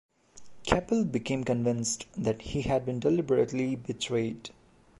Keppel became convinced that he had been deliberately betrayed.